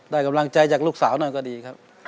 กำลังใจจากลูกสาวหน่อยก็ดีครับ